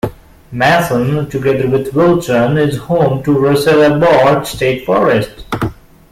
Mason, together with Wilton, is home to Russell-Abbott State Forest.